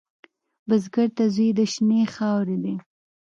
بزګر ته زوی د شنې خاورې دی